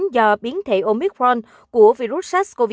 do biến thể omicron của virus sars cov hai